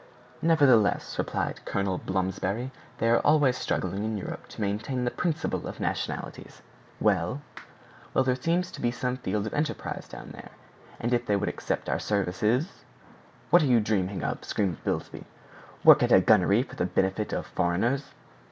"Nevertheless," replied Colonel Blomsberry, "they are always struggling in Europe to maintain the principle of nationalities." "Well?" "Well, there might be some field for enterprise down there; and if they would accept our services—" "What are you dreaming of?" screamed Bilsby; "work at gunnery for the benefit of foreigners?"